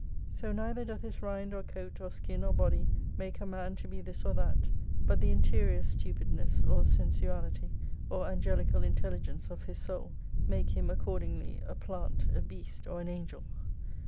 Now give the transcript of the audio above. So neither doth his rind or coat or skin or body make a man to be this or that, but the interior stupidness, or sensuality, or angelical intelligence of his soul, make him accordingly a plant, a beast, or an Angel.